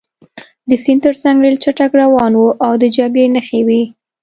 د سیند ترڅنګ ریل چټک روان و او د جګړې نښې وې